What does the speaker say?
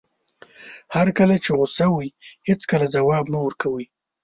هر کله چې غوسه وئ هېڅکله ځواب مه ورکوئ.